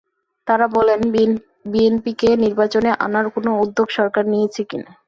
তাঁরা বলেন, বিএনপিকে নির্বাচনে আনার কোনো উদ্যোগ সরকার নিয়েছে কি না।